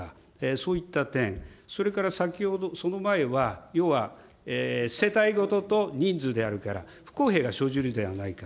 そういった点、それから先ほど、その前は、要は世帯ごとと人数であるから、不公平が生じるではないか。